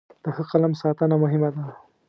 د ښه قلم ساتنه مهمه ده.